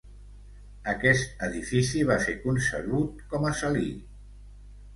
Aquest edifici va ser concebut com a salí.